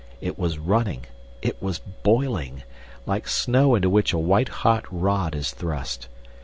It was running—it was boiling—like snow into which a white hot rod is thrust.